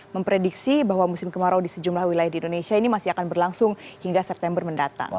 memprediksi bahwa musim kemarau di sejumlah wilayah di indonesia ini masih akan berlangsung hingga september mendatang